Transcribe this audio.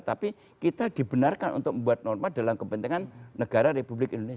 tapi kita dibenarkan untuk membuat norma dalam kepentingan negara republik indonesia